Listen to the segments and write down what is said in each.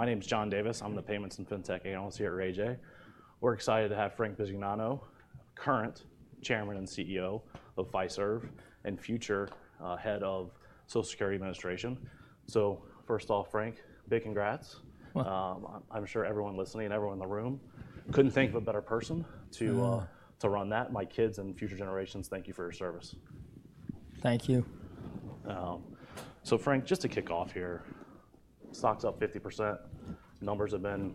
My name is John Davis. I'm the Payments and FinTech Analyst here at RayJay. We're excited to have Frank Bisignano, current Chairman and CEO of Fiserv and future head of Social Security Administration. So first off, Frank, big congrats. I'm sure everyone listening and everyone in the room couldn't think of a better person to run that. My kids and future generations, thank you for your service. Thank you. So Frank, just to kick off here, stock's up 50%. Numbers have been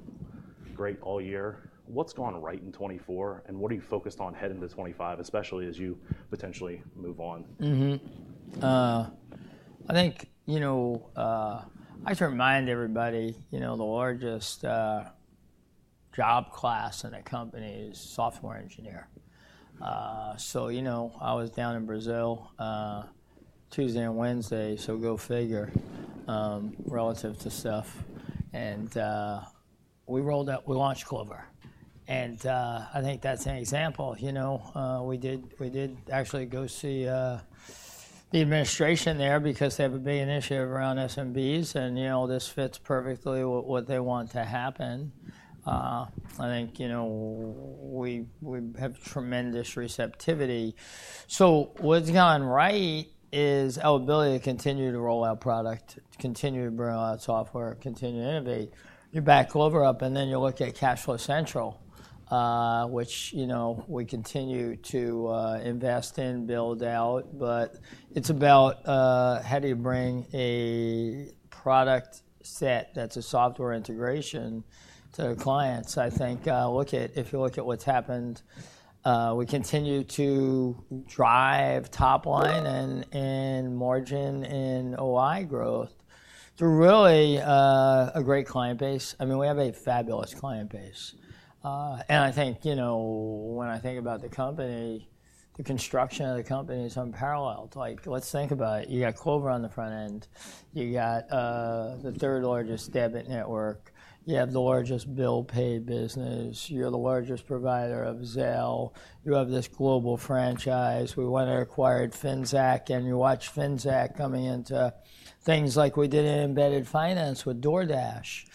great all year. What's gone right in 2024, and what are you focused on heading to 2025, especially as you potentially move on? I think, you know, I try to remind everybody, you know, the largest job class in a company is software engineer. So, you know, I was down in Brazil Tuesday and Wednesday, so go figure relative to stuff. We rolled out, we launched Clover. I think that's an example. You know, we did actually go see the administration there because they have a big initiative around SMBs, and you know, this fits perfectly with what they want to happen. I think, you know, we have tremendous receptivity. So what's gone right is our ability to continue to roll out product, continue to bring out software, continue to innovate. You back Clover up, and then you look at Cash Flow Central, which, you know, we continue to invest in, build out. But it's about how do you bring a product set that's a software integration to clients. I think if you look at what's happened, we continue to drive top line and margin in OI growth through really a great client base. I mean, we have a fabulous client base. And I think, you know, when I think about the company, the construction of the company is unparalleled. Like, let's think about it. You got Clover on the front end. You got the third largest debit network. You have the largest bill pay business. You're the largest provider of Zelle. You have this global franchise. We went and acquired Finxact, and you watch Finxact coming into things like we did in embedded finance with DoorDash.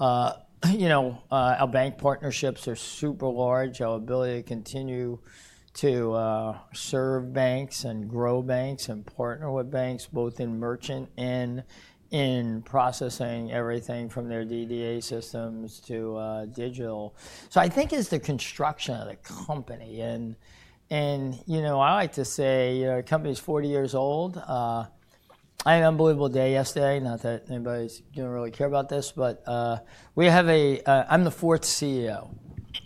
You know, our bank partnerships are super large. Our ability to continue to serve banks and grow banks and partner with banks, both in merchant and in processing everything from their DDA systems to digital. So I think it's the construction of the company. And, you know, I like to say, you know, the company's 40 years old. I had an unbelievable day yesterday. Not that anybody's going to really care about this, but we have a, I'm the fourth CEO,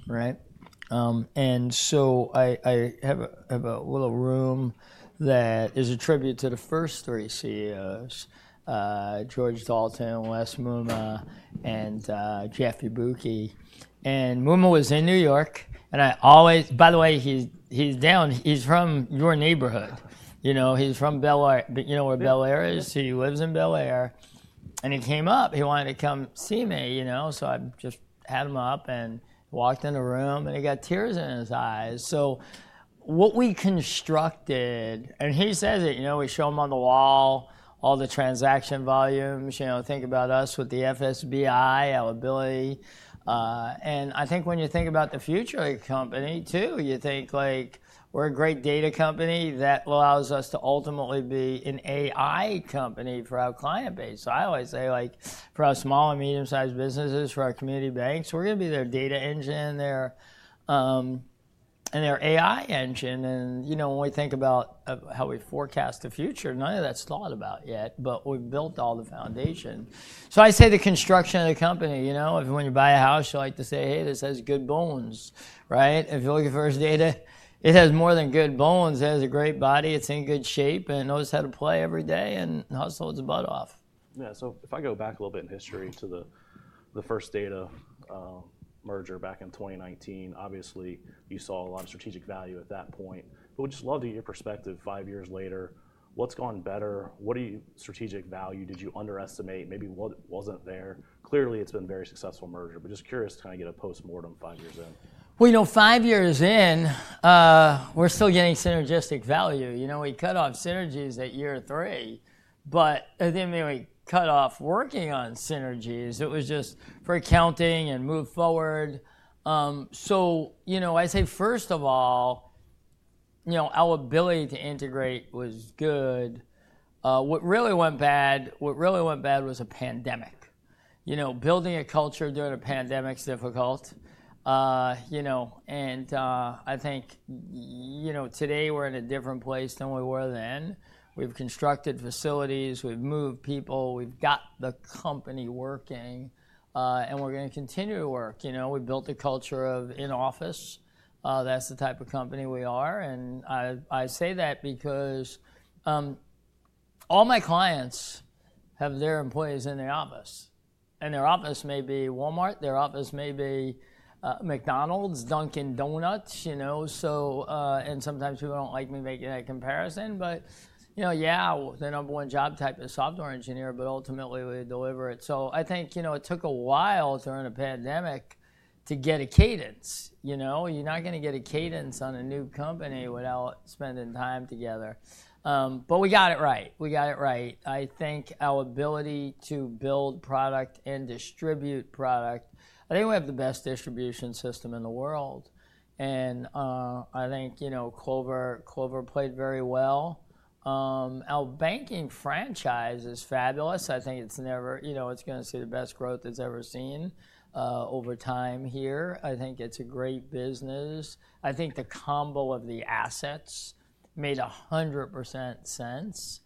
right? And so I have a little room that is a tribute to the first three CEOs, George Dalton, Les Muma, and Jeff Yabuki. And Muma was in New York, and I always, by the way, he's down, he's from your neighborhood. You know, he's from Belleair, you know where Belleair is? He lives in Belleair. And he came up, he wanted to come see me, you know, so I just had him up and walked in the room, and he got tears in his eyes. So what we constructed, and he says it, you know. We show him on the wall all the transaction volumes, you know. Think about us with the FSBI, our ability. And I think when you think about the future of the company too, you think like we're a great data company that allows us to ultimately be an AI company for our client base. So I always say like for our small and medium-sized businesses, for our community banks, we're going to be their data engine and their AI engine. And, you know, when we think about how we forecast the future, none of that's thought about yet, but we've built all the foundation. So I say the construction of the company, you know. When you buy a house, you like to say, hey, this has good bones, right? If you look at First Data, it has more than good bones. It has a great body. It's in good shape and knows how to play every day and hustle its butt off. Yeah. So if I go back a little bit in history to the First Data merger back in 2019, obviously you saw a lot of strategic value at that point. But we'd just love to get your perspective five years later. What's gone better? What strategic value did you underestimate? Maybe what wasn't there? Clearly, it's been a very successful merger, but just curious to kind of get a postmortem five years in. Well, you know, five years in, we're still getting synergistic value. You know, we cut off synergies at year three, but I didn't mean we cut off working on synergies. It was just for accounting and move forward. So, you know, I say first of all, you know, our ability to integrate was good. What really went bad, what really went bad was a pandemic. You know, building a culture during a pandemic is difficult. You know, and I think, you know, today we're in a different place than we were then. We've constructed facilities, we've moved people, we've got the company working, and we're going to continue to work. You know, we built a culture of in-office. That's the type of company we are. And I say that because all my clients have their employees in their office. Their office may be Walmart, their office may be McDonald's, Dunkin' Donuts, you know. So, and sometimes people don't like me making that comparison, but you know, yeah, the number one job type is software engineer, but ultimately we deliver it. So I think, you know, it took a while during a pandemic to get a cadence, you know. You're not going to get a cadence on a new company without spending time together. But we got it right. We got it right. I think our ability to build product and distribute product, I think we have the best distribution system in the world. And I think, you know, Clover played very well. Our banking franchise is fabulous. I think it's never, you know, it's going to see the best growth it's ever seen over time here. I think it's a great business. I think the combo of the assets made 100% sense,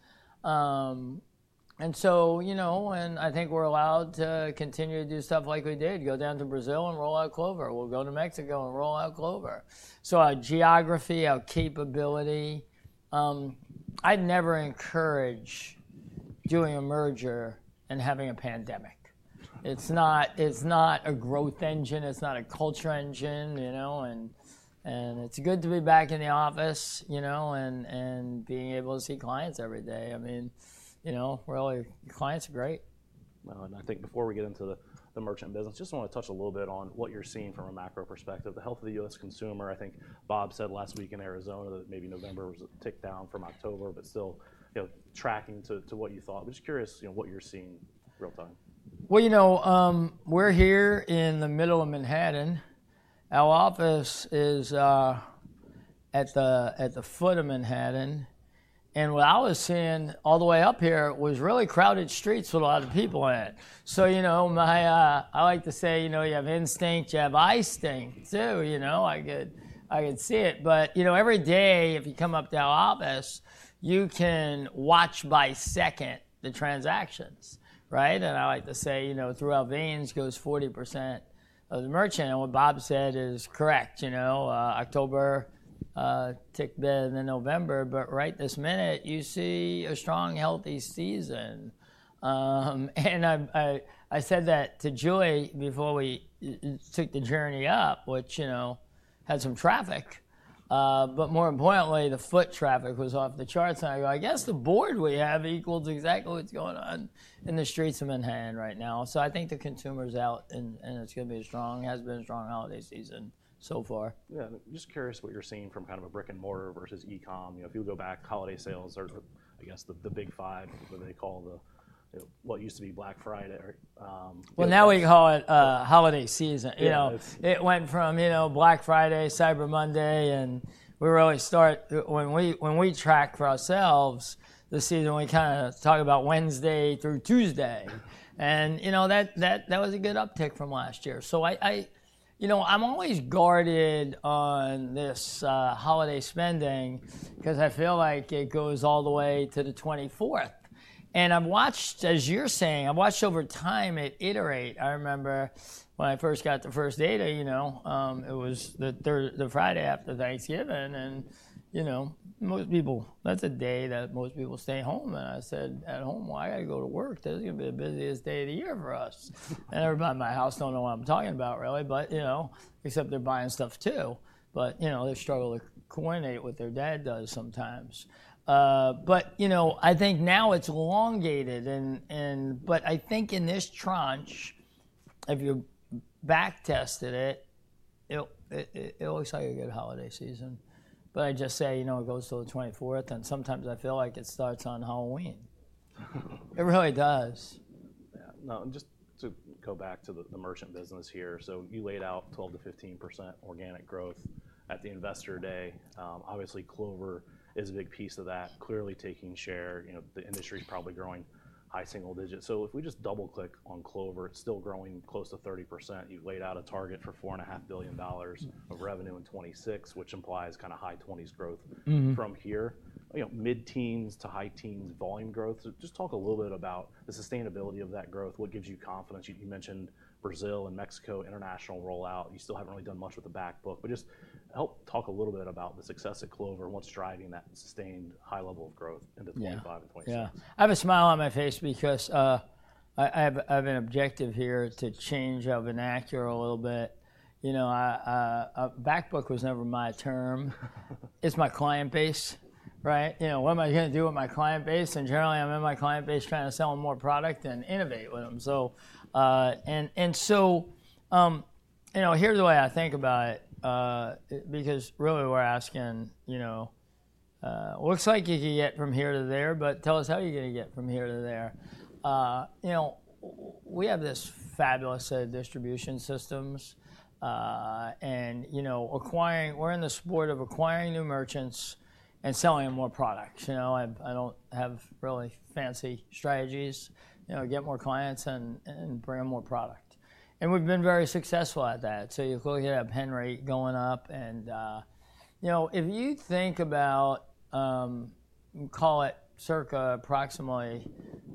and so, you know, and I think we're allowed to continue to do stuff like we did, go down to Brazil and roll out Clover, we'll go to Mexico and roll out Clover, so our geography, our capability, I'd never encourage doing a merger and having a pandemic. It's not a growth engine. It's not a culture engine, you know, and it's good to be back in the office, you know, and being able to see clients every day. I mean, you know, really, clients are great. I think before we get into the merchant business, I just want to touch a little bit on what you're seeing from a macro perspective. The health of the U.S. consumer, I think Bob said last week in Arizona that maybe November was a tick down from October, but still, you know, tracking to what you thought. I'm just curious, you know, what you're seeing real time. You know, we're here in the middle of Manhattan. Our office is at the foot of Manhattan. And what I was seeing all the way up here was really crowded streets with a lot of people in it. So, you know, I like to say, you know, you have instinct, you have [eyestinct] too, you know. I could see it. But, you know, every day if you come up to our office, you can watch second by second the transactions, right? And I like to say, you know, through our veins goes 40% of the merchant. And what Bob said is correct. You know, October ticked better than November, but right this minute you see a strong, healthy season. And I said that to Julie before we took the journey up, which, you know, had some traffic. But more importantly, the foot traffic was off the charts. And I go, I guess the board we have equals exactly what's going on in the streets of Manhattan right now. So I think the consumer's out and it's going to be a strong, has been a strong holiday season so far. Yeah. Just curious what you're seeing from kind of a brick and mortar versus e-com. You know, if you go back, holiday sales are, I guess, the big five, what they call the, what used to be Black Friday. Now we call it holiday season. You know, it went from, you know, Black Friday, Cyber Monday, and we really start, when we track for ourselves the season, we kind of talk about Wednesday through Tuesday. You know, that was a good uptick from last year. I, you know, I'm always guarded on this holiday spending because I feel like it goes all the way to the 24th. I've watched, as you're saying, I've watched over time it iterate. I remember when I first got the First Data, you know, it was the Friday after Thanksgiving. You know, most people, that's a day that most people stay home. I said, at home, why do I go to work? This is going to be the busiest day of the year for us. Everybody in my house don't know what I'm talking about really, but you know, except they're buying stuff too, but you know, they struggle to coordinate what their dad does sometimes, but you know, I think now it's elongated, but I think in this tranche, if you backtested it, it looks like a good holiday season, but I just say, you know, it goes to the 24th, and sometimes I feel like it starts on Halloween. It really does. Yeah. No, just to go back to the merchant business here. So you laid out 12%-15% organic growth at the investor day. Obviously, Clover is a big piece of that, clearly taking share. You know, the industry's probably growing high single digits. So if we just double-click on Clover, it's still growing close to 30%. You've laid out a target for $4.5 billion of revenue in 2026, which implies kind of high 20s% growth from here. You know, mid teens to high teens volume growth. Just talk a little bit about the sustainability of that growth. What gives you confidence? You mentioned Brazil and Mexico international rollout. You still haven't really done much with the Backbook, but just help talk a little bit about the success at Clover and what's driving that sustained high level of growth into 2025 and 2026. Yeah. I have a smile on my face because I have an objective here to change our vernacular a little bit. You know, Backbook was never my term. It's my client base, right? You know, what am I going to do with my client base? And generally, I'm in my client base trying to sell them more product and innovate with them. So, and so, you know, here's the way I think about it, because really we're asking, you know, it looks like you can get from here to there, but tell us how you're going to get from here to there. You know, we have this fabulous set of distribution systems. And, you know, acquiring, we're in the sport of acquiring new merchants and selling them more products. You know, I don't have really fancy strategies, you know, get more clients and bring them more product. And we've been very successful at that. So you look at our pen rate going up. And, you know, if you think about, call it circa approximately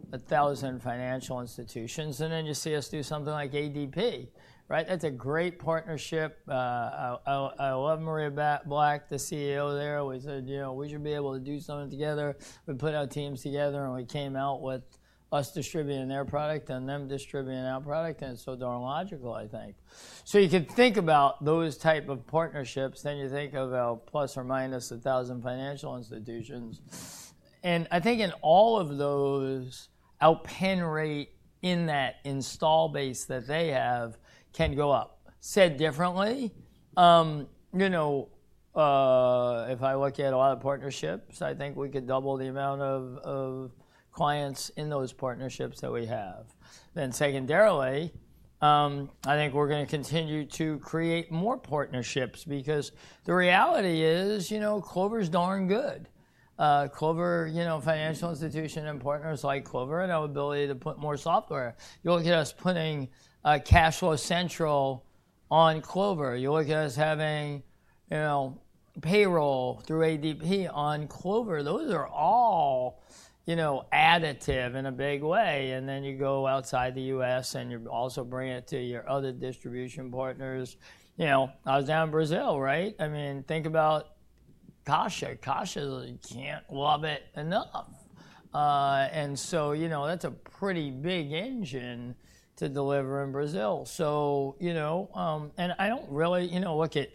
1,000 financial institutions, and then you see us do something like ADP, right? That's a great partnership. I love Maria Black, the CEO there. We said, you know, we should be able to do something together. We put our teams together and we came out with us distributing their product and them distributing our product. And it's so darn logical, I think. So you can think about those types of partnerships. Then you think of our plus or minus 1,000 financial institutions. And I think in all of those, our pen rate in that install base that they have can go up. Said differently, you know, if I look at a lot of partnerships, I think we could double the amount of clients in those partnerships that we have. Then secondarily, I think we're going to continue to create more partnerships because the reality is, you know, Clover's darn good. Clover, you know, financial institution and partners like Clover and our ability to put more software. You look at us putting Cash Flow Central on Clover. You look at us having, you know, payroll through ADP on Clover. Those are all, you know, additive in a big way. And then you go outside the U.S. and you also bring it to your other distribution partners. You know, I was down in Brazil, right? I mean, think about CAIXA. CAIXA, you can't love it enough. And so, you know, that's a pretty big engine to deliver in Brazil. So, you know, and I don't really, you know, look at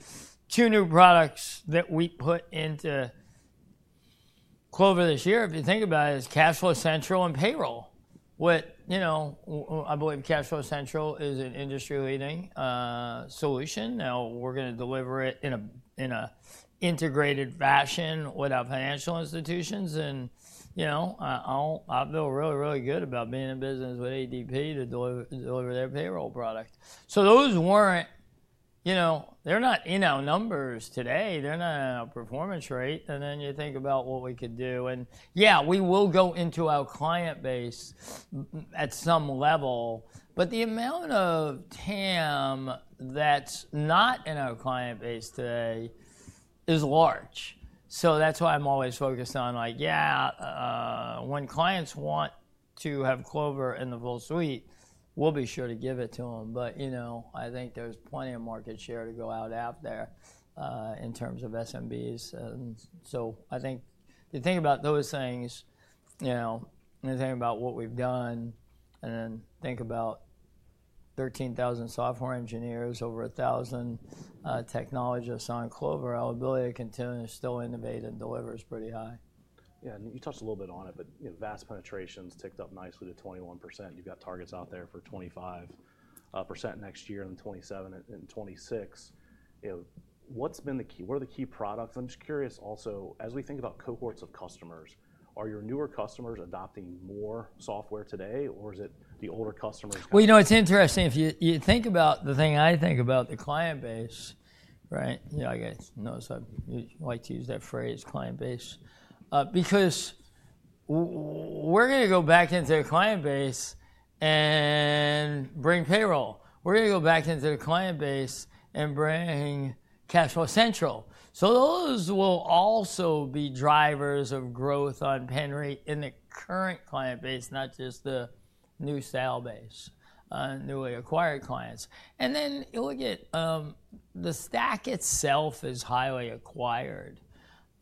two new products that we put into Clover this year. If you think about it, it's Cash Flow Central and payroll. What, you know, I believe Cash Flow Central is an industry-leading solution. Now we're going to deliver it in an integrated fashion with our financial institutions. And, you know, I feel really, really good about being in business with ADP to deliver their payroll product. So those weren't, you know, they're not in our numbers today. They're not in our pen rate. And then you think about what we could do. And yeah, we will go into our client base at some level, but the amount of TAM that's not in our client base today is large. So that's why I'm always focused on like, yeah, when clients want to have Clover in the full suite, we'll be sure to give it to them. But, you know, I think there's plenty of market share to go out there in terms of SMBs. And so I think you think about those things, you know, and think about what we've done and then think about 13,000 software engineers, over 1,000 technologists on Clover. Our ability to continue to still innovate and deliver is pretty high. Yeah. And you touched a little bit on it, but, you know, VAS penetrations ticked up nicely to 21%. You've got targets out there for 25% next year and 27% in 2026. You know, what's been the key, what are the key products? I'm just curious also, as we think about cohorts of customers, are your newer customers adopting more software today or is it the older customers? Well, you know, it's interesting. If you think about the thing I think about, the client base, right? You know, I guess you like to use that phrase, client base, because we're going to go back into the client base and bring payroll. We're going to go back into the client base and bring Cash Flow Central. So those will also be drivers of growth on pen rate in the current client base, not just the new sale base, newly acquired clients. And then you look at the stack itself is highly acquired.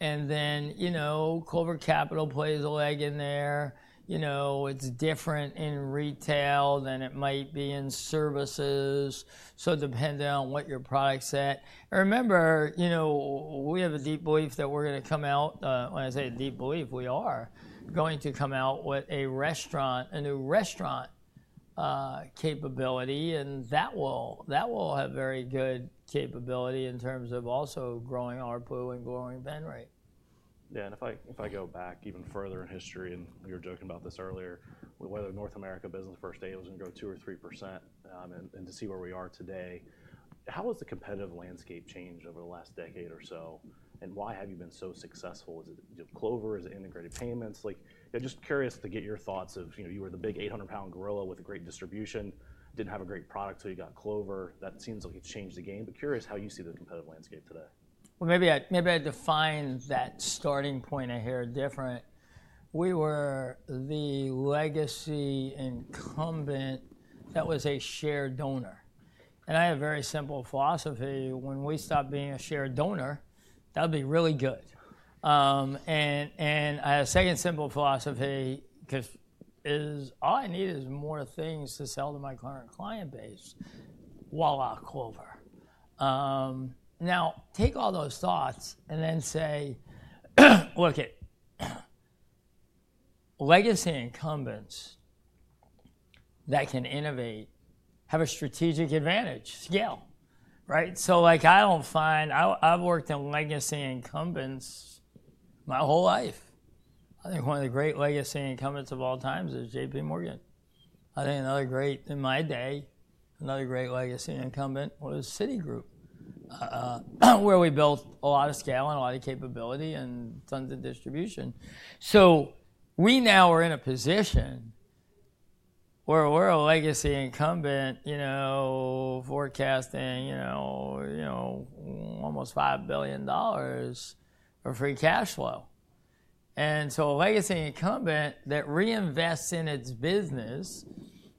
And then, you know, Clover Capital plays a leg in there. You know, it's different in retail than it might be in services. So depending on what your product's at. Remember, you know, we have a deep belief that we're going to come out, when I say a deep belief, we are going to come out with a restaurant, a new restaurant capability. That will have very good capability in terms of also growing our pool and growing pen rate. Yeah. And if I go back even further in history, and you were joking about this earlier, whether North America business first day was going to grow 2% or 3% and to see where we are today, how has the competitive landscape changed over the last decade or so? And why have you been so successful? Is it Clover? Is it integrated payments? Like, just curious to get your thoughts of, you know, you were the big 800-pound gorilla with a great distribution, didn't have a great product till you got Clover. That seems like it's changed the game. But curious how you see the competitive landscape today. Well, maybe I define that starting point a hair different. We were the legacy incumbent that was a shared donor. And I have a very simple philosophy. When we stop being a shared donor, that'll be really good. And I have a second simple philosophy because all I need is more things to sell to my current client base, voilà, Clover. Now take all those thoughts and then say, look at legacy incumbents that can innovate, have a strategic advantage, scale, right? So like I don't find, I've worked in legacy incumbents my whole life. I think one of the great legacy incumbents of all times is JPMorgan. I think another great, in my day, another great legacy incumbent was Citigroup, where we built a lot of scale and a lot of capability and tons of distribution. So we now are in a position where we're a legacy incumbent, you know, forecasting, you know, almost $5 billion for free cash flow. And so a legacy incumbent that reinvests in its business,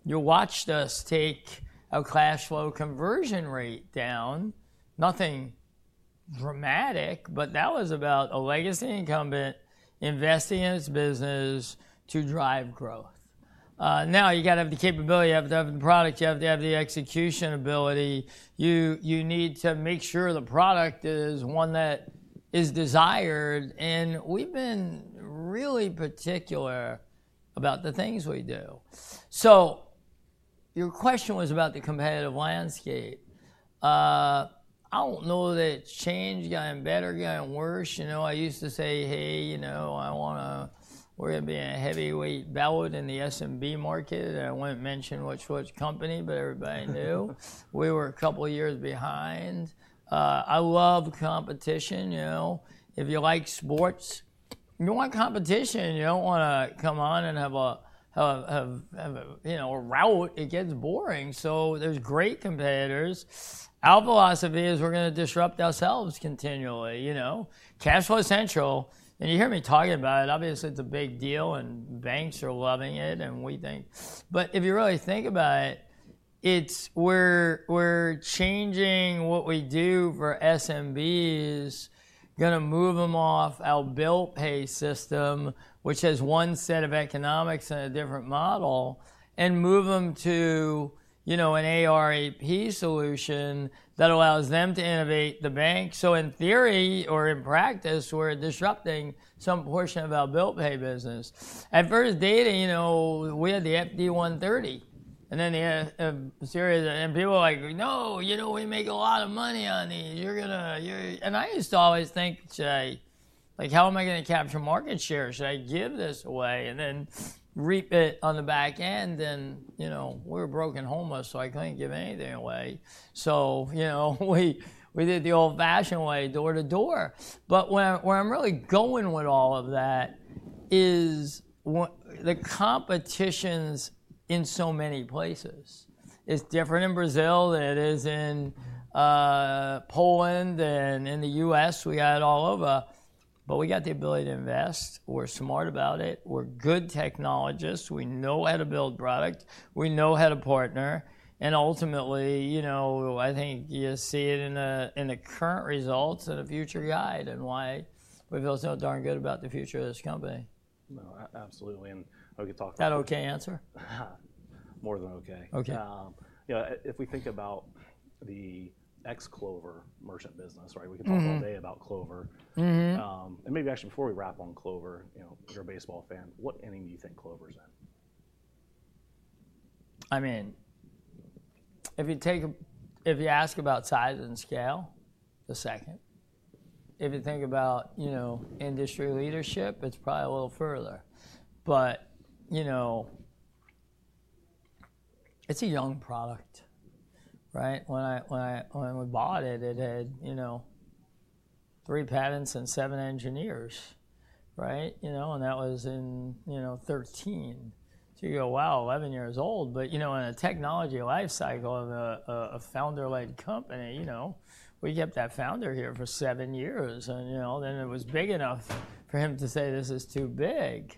you watched us take a cash flow conversion rate down, nothing dramatic, but that was about a legacy incumbent investing in its business to drive growth. Now you got to have the capability, you have to have the product, you have to have the execution ability. You need to make sure the product is one that is desired. And we've been really particular about the things we do. So your question was about the competitive landscape. I don't know that it's changed, gotten better, gotten worse. You know, I used to say, hey, you know, I want to, we're going to be a heavyweight battling in the SMB market. I wouldn't mention which company, but everybody knew. We were a couple of years behind. I love competition, you know. If you like sports, you want competition. You don't want to come on and have a, you know, route. It gets boring. So there's great competitors. Our philosophy is we're going to disrupt ourselves continually, you know. Cash Flow Central, and you hear me talking about it, obviously it's a big deal and banks are loving it and we think, but if you really think about it, it's we're changing what we do for SMBs, going to move them off our bill pay system, which has one set of economics and a different model, and move them to, you know, an ARAP solution that allows them to innovate the bank. So in theory or in practice, we're disrupting some portion of our bill pay business. At First Data, you know, we had the FD130 and then the series, and people are like, no, you know, we make a lot of money on these. You're going to, and I used to always think, should I, like how am I going to capture market share? Should I give this away and then reap it on the back end? And, you know, we're a public company, so I couldn't give anything away. So, you know, we did the old-fashioned way, door to door. But where I'm really going with all of that is the competition is in so many places. It's different in Brazil than it is in Poland, than in the U.S. We got it all over, but we got the ability to invest. We're smart about it. We're good technologists. We know how to build product. We know how to partner. Ultimately, you know, I think you see it in the current results and the future guide and why we feel so darn good about the future of this company. Absolutely, and I could talk about. Is that an okay answer? More than okay. Okay. You know, if we think about the ex-Clover merchant business, right? We can talk all day about Clover. And maybe actually before we wrap on Clover, you know, you're a baseball fan. What inning do you think Clover's in? I mean, if you take, if you ask about size and scale, the second, if you think about, you know, industry leadership, it's probably a little further. But, you know, it's a young product, right? When I bought it, it had, you know, three patents and seven engineers, right? You know, and that was in, you know, 2013. So you go, wow, 11 years old. But, you know, in a technology lifecycle of a founder-led company, you know, we kept that founder here for seven years. And, you know, then it was big enough for him to say, this is too big.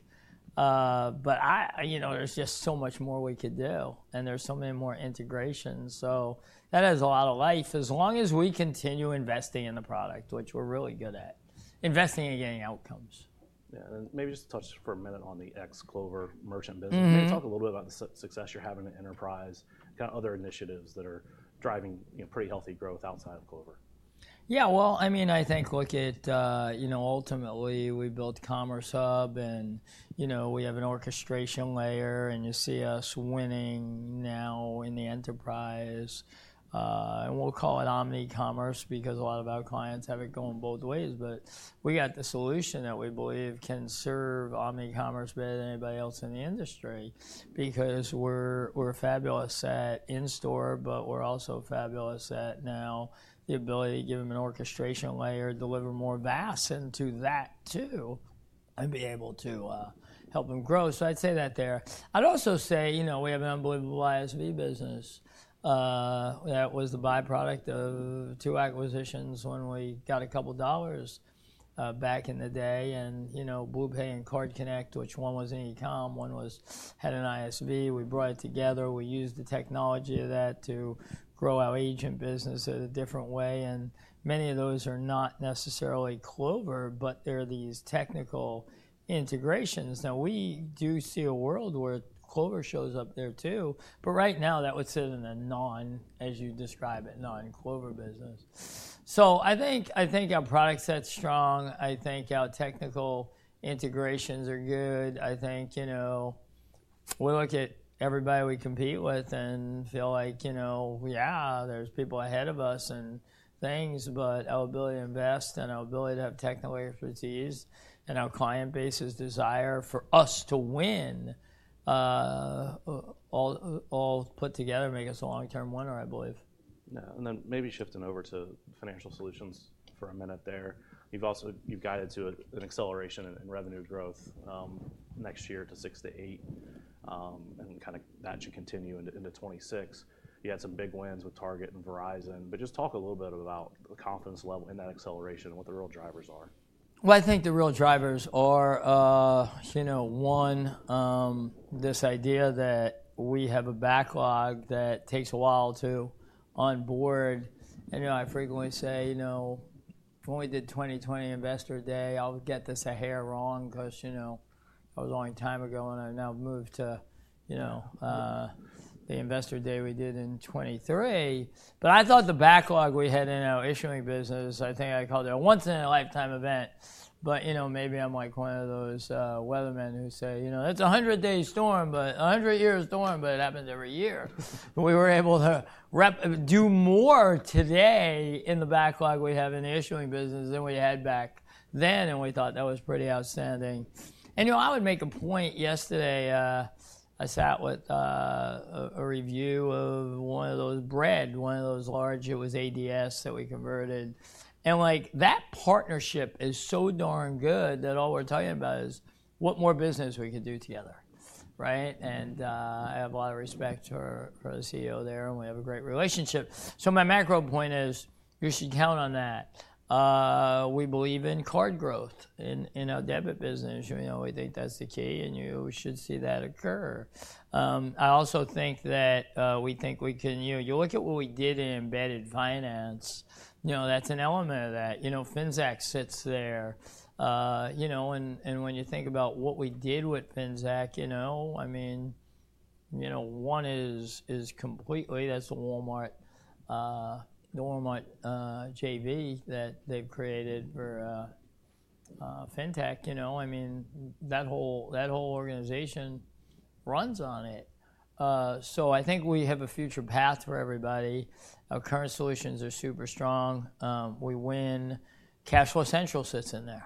But I, you know, there's just so much more we could do. And there's so many more integrations. So that has a lot of life as long as we continue investing in the product, which we're really good at, investing and getting outcomes. Yeah. And maybe just touch for a minute on the ex-Clover merchant business. Can you talk a little bit about the success you're having in enterprise, kind of other initiatives that are driving, you know, pretty healthy growth outside of Clover? Yeah. Well, I mean, I think, look at, you know, ultimately we built Commerce Hub and, you know, we have an orchestration layer and you see us winning now in the enterprise, and we'll call it omnicommerce because a lot of our clients have it going both ways. But we got the solution that we believe can serve omnicommerce better than anybody else in the industry because we're fabulous at in-store, but we're also fabulous at now the ability to give them an orchestration layer, deliver more BaaS into that too, and be able to help them grow. So I'd say that there. I'd also say, you know, we have an unbelievable ISV business that was the byproduct of two acquisitions when we got a couple of dollars back in the day. You know, BluePay and CardConnect, which one was an e-comm, one had an ISV. We brought it together. We used the technology of that to grow our agent business in a different way. And many of those are not necessarily Clover, but they're these technical integrations. Now we do see a world where Clover shows up there too. But right now that would sit in a non, as you describe it, non-Clover business. So I think our product set's strong. I think our technical integrations are good. I think, you know, we look at everybody we compete with and feel like, you know, yeah, there's people ahead of us and things, but our ability to invest and our ability to have technical expertise and our client base's desire for us to win all put together makes us a long-term winner, I believe. Yeah. And then maybe shifting over to financial solutions for a minute there. You've also guided to an acceleration in revenue growth next year to 6%-8%, and kind of that should continue into 2026. You had some big wins with Target and Verizon. But just talk a little bit about the confidence level in that acceleration and what the real drivers are. Well, I think the real drivers are, you know, one, this idea that we have a backlog that takes a while to onboard. And, you know, I frequently say, you know, when we did 2020 Investor Day, I'll get this a hair wrong because, you know, that was a long time ago and I've now moved to, you know, the Investor Day we did in 2023. But I thought the backlog we had in our issuing business. I think I called it a once-in-a-lifetime event. But, you know, maybe I'm like one of those weathermen who say, you know, it's a hundred-day storm, but a hundred years storm, but it happens every year. But we were able to do more today in the backlog we have in the issuing business than we had back then. And we thought that was pretty outstanding. You know, I would make a point yesterday. I sat with a review of one of those Bread, one of those large. It was ADS that we converted. Like that partnership is so darn good that all we're talking about is what more business we could do together, right? I have a lot of respect for the CEO there and we have a great relationship. My macro point is you should count on that. We believe in card growth in our debit business. You know, we think that's the key and you should see that occur. I also think that we think we can. You know, you look at what we did in embedded finance. You know, that's an element of that. You know, Finxact sits there, you know, and when you think about what we did with Finxact, you know, I mean, you know, one is completely, that's the Walmart, the Walmart JV that they've created for FinTech, you know. I mean, that whole organization runs on it. So I think we have a future path for everybody. Our current solutions are super strong. We win. Cash Flow Central sits in there.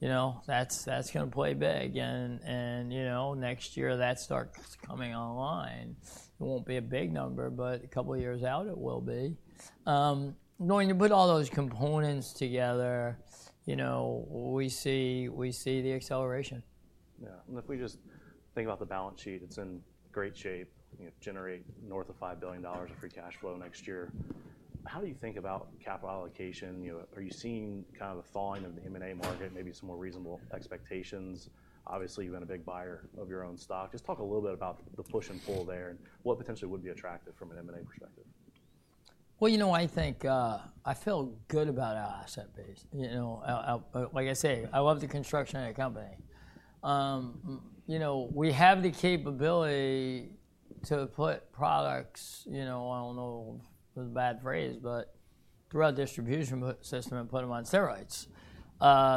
You know, that's going to play big. And, you know, next year that starts coming online. It won't be a big number, but a couple of years out it will be. Going to put all those components together, you know, we see the acceleration. Yeah. And if we just think about the balance sheet, it's in great shape. You know, generate north of $5 billion of free cash flow next year. How do you think about capital allocation? You know, are you seeing kind of a thawing of the M&A market, maybe some more reasonable expectations? Obviously, you've been a big buyer of your own stock. Just talk a little bit about the push and pull there and what potentially would be attractive from an M&A perspective. You know, I think I feel good about our asset base. You know, like I say, I love the construction of the company. You know, we have the capability to put products, you know, I don't know if it's a bad phrase, but throughout distribution system and put them on steroids.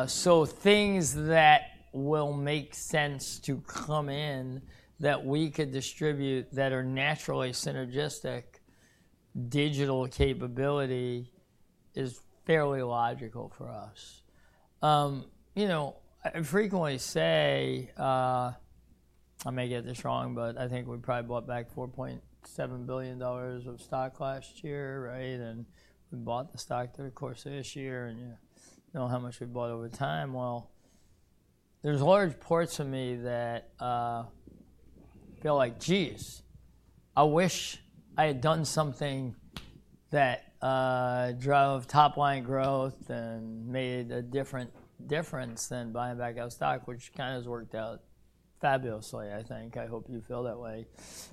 So things that will make sense to come in that we could distribute that are naturally synergistic, digital capability is fairly logical for us. You know, I frequently say, I may get this wrong, but I think we probably bought back $4.7 billion of stock last year, right? And we bought the stock during the course of this year and you know how much we bought over time. Well, there's large parts of me that feel like, geez, I wish I had done something that drove top-line growth and made a different difference than buying back our stock, which kind of has worked out fabulously, I think. I hope you feel that way.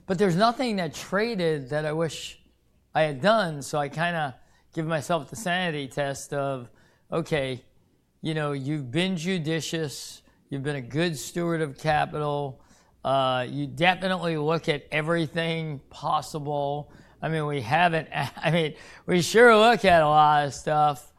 But there's nothing that traded that I wish I had done. So I kind of give myself the sanity test of, okay, you know, you've been judicious, you've been a good steward of capital. You definitely look at everything possible. I mean, we haven't, I mean, we sure look at a lot of stuff.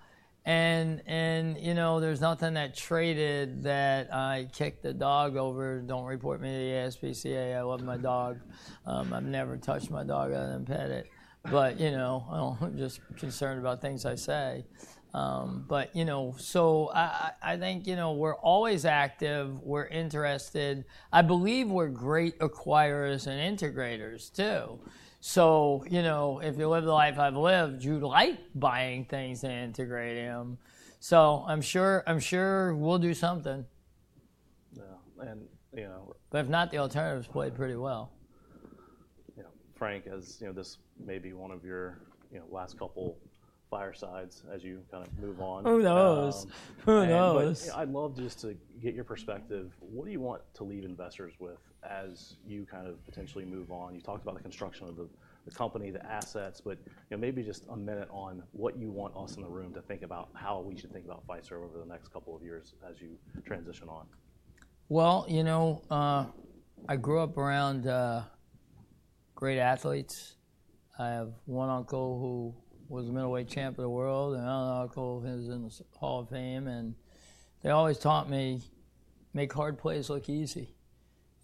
And, you know, there's nothing that traded that I kicked the dog over, don't report me to the SPCA. I love my dog. I've never touched my dog other than pet it. But, you know, I'm just concerned about things I say. But, you know, so I think, you know, we're always active. We're interested. I believe we're great acquirers and integrators too. So, you know, if you live the life I've lived, you like buying things and integrating them. So I'm sure we'll do something. Yeah. And, you know. But if not, the alternatives played pretty well. Yeah. Frank, as you know, this may be one of your, you know, last couple firesides as you kind of move on. Who knows? Who knows? I'd love just to get your perspective. What do you want to leave investors with as you kind of potentially move on? You talked about the construction of the company, the assets, but you know, maybe just a minute on what you want us in the room to think about how we should think about Fiserv over the next couple of years as you transition on. Well, you know, I grew up around great athletes. I have one uncle who was a middleweight champion of the world and another uncle who is in the Hall of Fame. And they always taught me, make hard plays look easy.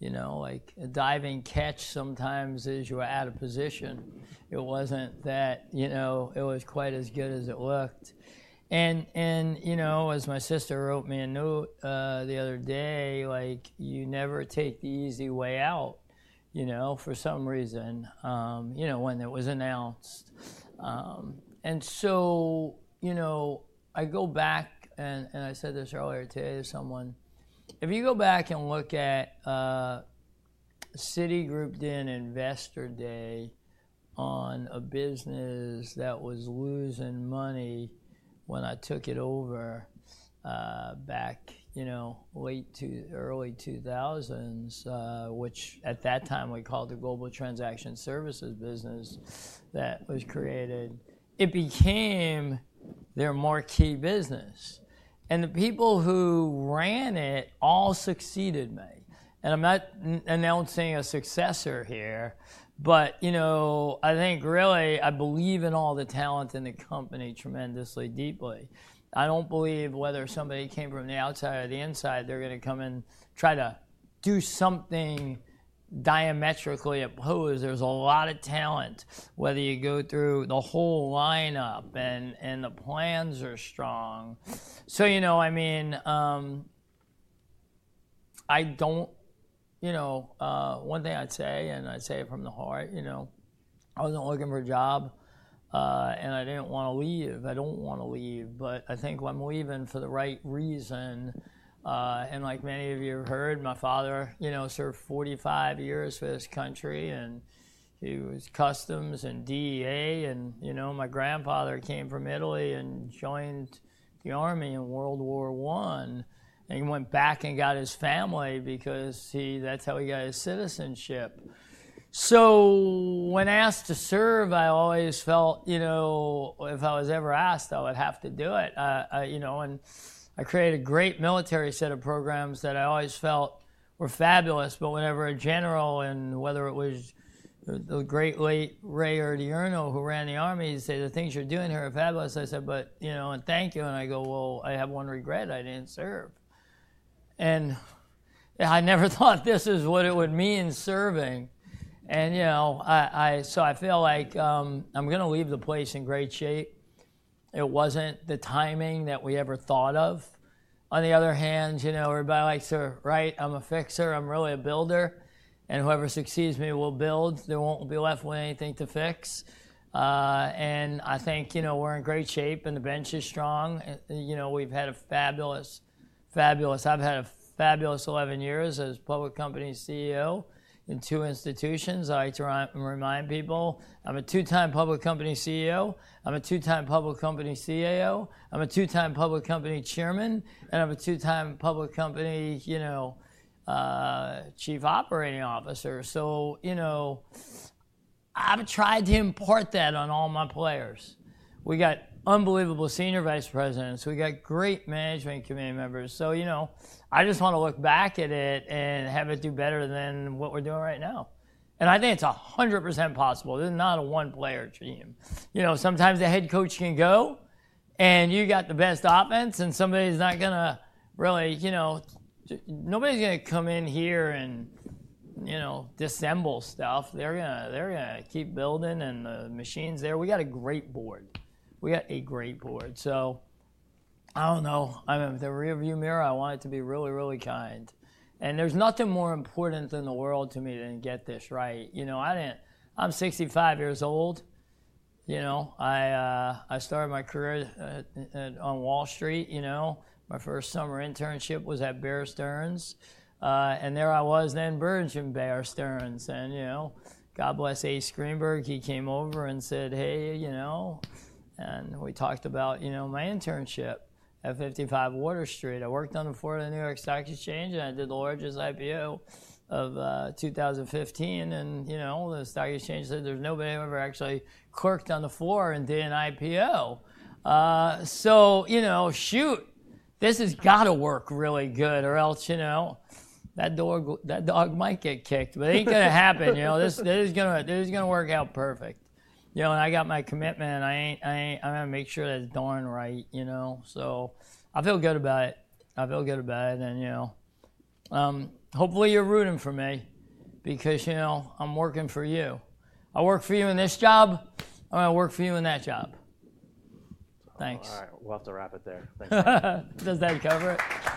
You know, like a diving catch sometimes as you were out of position. It wasn't that, you know, it was quite as good as it looked. And, you know, as my sister wrote me a note the other day, like you never take the easy way out, you know, for some reason, you know, when it was announced. And so, you know, I go back and I said this earlier today to someone. If you go back and look at, Citigroup did an investor day on a business that was losing money when I took it over back, you know, late to early 2000s, which at that time we called the Global Transaction Services business that was created. It became their marquee business. And the people who ran it all succeeded me. And I'm not announcing a successor here, but, you know, I think really I believe in all the talent in the company tremendously deeply. I don't believe whether somebody came from the outside or the inside, they're going to come and try to do something diametrically opposed. There's a lot of talent, whether you go through the whole lineup and the plans are strong. So, you know, I mean, I don't, you know, one thing I'd say, and I say it from the heart. You know, I wasn't looking for a job and I didn't want to leave. I don't want to leave, but I think I'm leaving for the right reason. And like many of you have heard, my father, you know, served 45 years for this country and he was Customs and DEA. And, you know, my grandfather came from Italy and joined the army in World War I. And he went back and got his family because that's how he got his citizenship. So when asked to serve, I always felt, you know, if I was ever asked, I would have to do it. You know, and I created a great military set of programs that I always felt were fabulous. But whenever a general, and whether it was the great late Ray Odierno who ran the army, said, "The things you're doing here are fabulous," I said, "But, you know, and thank you." And I go, "Well, I have one regret. I didn't serve. And I never thought this is what it would mean serving." And, you know, so I feel like I'm going to leave the place in great shape. It wasn't the timing that we ever thought of. On the other hand, you know, everybody likes to write, "I'm a fixer." I'm really a builder. And whoever succeeds me will build. There won't be left with anything to fix. And I think, you know, we're in great shape and the bench is strong. You know, we've had a fabulous, fabulous. I've had a fabulous 11 years as public company CEO in two institutions. I try and remind people I'm a two-time public company CEO. I'm a two-time public company CIO. I'm a two-time public company Chairman. And I'm a two-time public company, you know, Chief Operating Officer. So, you know, I've tried to impart that on all my players. We got unbelievable senior vice presidents. We got great management committee members. So, you know, I just want to look back at it and have it do better than what we're doing right now. And I think it's 100% possible. This is not a one-player team. You know, sometimes the head coach can go and you got the best offense and somebody's not going to really, you know, nobody's going to come in here and, you know, disassemble stuff. They're going to keep building and the machines there. We got a great board. We got a great board. So I don't know. I mean, if they were to view me, I want it to be really, really kind. And there's nothing more important in the world to me than get this right. You know, I didn't, I'm 65 years old. You know, I started my career on Wall Street. You know, my first summer internship was at Bear Stearns. And there I was then learning Bear Stearns. And, you know, God bless Ace Greenberg. He came over and said, hey, you know, and we talked about, you know, my internship at 55 Water Street. I worked on the floor of the New York Stock Exchange and I did the largest IPO of 2015. And, you know, the Stock Exchange said there's nobody ever actually clerked on the floor and did an IPO. You know, shoot, this has got to work really good or else, you know, that dog might get kicked, but it ain't going to happen. You know, this is going to work out perfect. You know, and I got my commitment and I'm going to make sure that it's darn right, you know. I feel good about it. I feel good about it. You know, hopefully you're rooting for me because, you know, I'm working for you. I work for you in this job. I'm going to work for you in that job. Thanks. All right. We'll have to wrap it there. Thanks. Does that cover it?